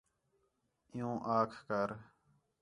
عِیُّوں آکھ کر